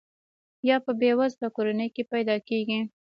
یا په بې وزله کورنۍ کې پیدا کیږي.